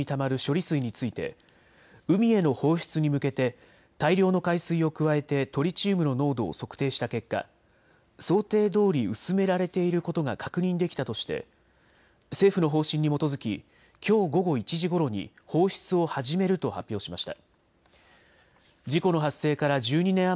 東京電力は福島第一原子力発電所にたまる処理水について、海への放出に向けて大量の海水を加えてトリチウムの濃度を測定した結果、想定どおり薄められていることが確認できたとして、政府の方針に基づききょう午後１時ごろに放出を始めると発表しました。